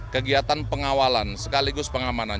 kegiatan pengawalan sekaligus pengamanan